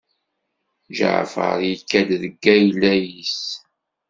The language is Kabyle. Ǧaɛfeṛ yekkat deg ayla-is.